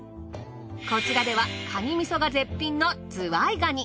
こちらではカニ味噌が絶品のズワイガニ。